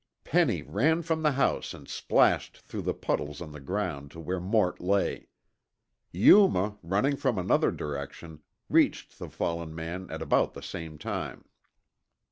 Penny ran from the house and splashed through the puddles on the ground to where Mort lay. Yuma, running from another direction, reached the fallen man at about the same time.